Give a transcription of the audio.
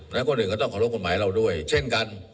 และคนอื่นก็ต้องขอรบกฎหมายเราด้วยเช่นกัน